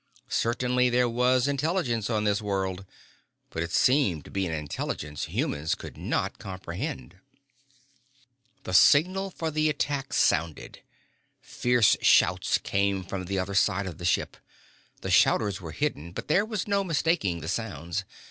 Certainly there was intelligence on this world. But it seemed to be an intelligence humans could not comprehend. The signal for the attack sounded. Fierce shouts came from the other side of the ship. The shouters were hidden, but there was no mistaking the sounds.